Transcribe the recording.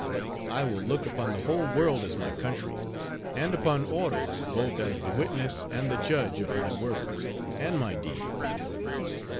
I will look upon the whole world as my country; and upon Oro, both as the witness and the judge of my words and my deeds.